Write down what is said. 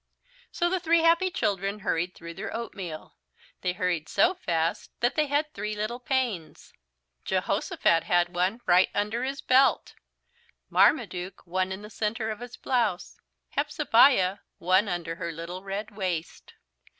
So the three happy children hurried through their oatmeal. They hurried so fast that they had three little pains. Jehosophat had one right under his belt, Marmaduke one in the centre of his blouse, Hepzebiah one under her little red waist.